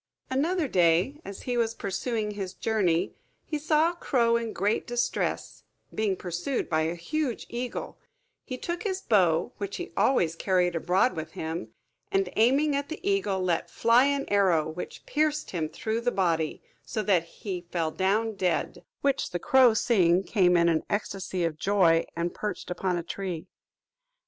Another day, as he was pursuing his journey, he saw a crow in great distress: being pursued by a huge eagle, he took his bow, which he always carried abroad with him, and aiming at the eagle, let fly an arrow, which pierced him through the body, so that he fell down dead; which the crow seeing, came in an ecstasy of joy, and perched upon a tree.